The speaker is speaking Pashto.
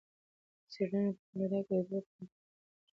څېړنه په کاناډا کې د دوه پوهنتونونو لخوا شوې ده.